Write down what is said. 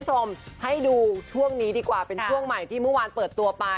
คุณผู้ชมให้ดูช่วงนี้ดีกว่าเป็นช่วงใหม่ที่เมื่อวานเปิดตัวไป